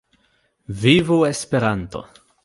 Vivu Esperanto!